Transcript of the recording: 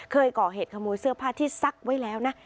เคยก่อเหตุขโมยเสื้อผ้าที่ซักไว้แล้วนะ